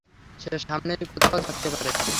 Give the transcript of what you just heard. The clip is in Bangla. সে সামনেই কোথাও থাকতে পারে।